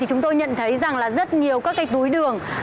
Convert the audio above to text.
chúng tôi nhận thấy rằng là rất nhiều các cái túi đường